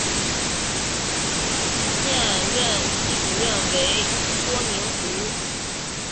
现任系主任为郭明湖。